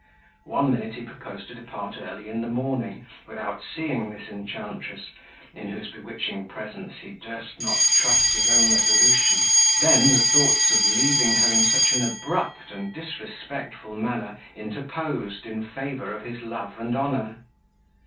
One minute he proposed to depart early in the morning, without seeing this enchantress, in whose bewitching presence he durst not trust his own resolution; then the thoughts of leaving her in such an abrupt and disrespectful manner interposed in favour of his love and honour.